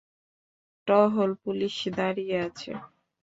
টহল পুলিশ দাঁড়িয়ে আছে।